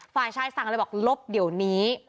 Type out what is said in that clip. ฝ่ายชายสั่งเลยบอกลบเดี๋ยวนี้